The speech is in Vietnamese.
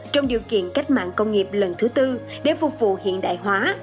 trong điều kiện cách mạng công nghiệp lần thứ tư để phục vụ hiện đại hóa